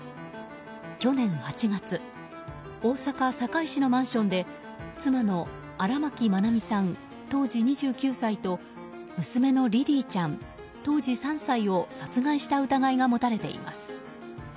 去年８月大阪・堺市のマンションで妻の荒牧愛美さん、当時２９歳と娘のリリィちゃん、当時３歳を殺害した疑いが持たれています。